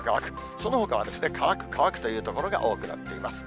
そのほかは乾く、乾くという所が多くなっています。